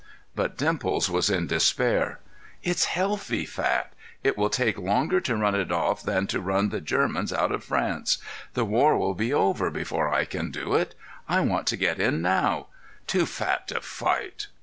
But Dimples was in despair. "It's healthy fat; it will take longer to run it off than to run the Germans out of France. The war will be over before I can do it. I want to get in now. Too fat to fight!